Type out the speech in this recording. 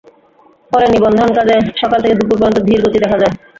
ফলে নিবন্ধনের কাজে সকাল থেকে দুপুর পর্যন্ত ধীর গতি দেখা যায়।